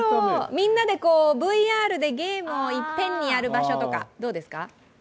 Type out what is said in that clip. みんなでＶＲでゲームをいっぺんにやる場所とか、どう？